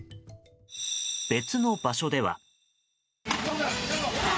別の場所では。